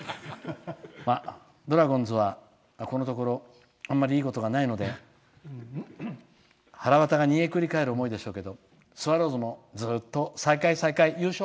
ドラゴンズは、このところあんまりいいことがないのではらわたが煮えくり返るような思いでしょうけどスワローズもずっと最下位、最下位優勝。